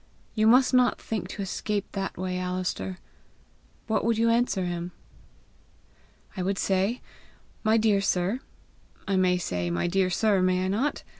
You must not think to escape that way, Alister! What would you answer him?" "I would say, 'My dear sir,' I may say 'My dear sir,' may I not?